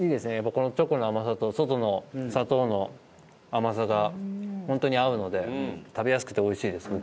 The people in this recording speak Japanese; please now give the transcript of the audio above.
このチョコの甘さと外の砂糖の甘さがホントに合うので食べやすくて美味しいです僕は。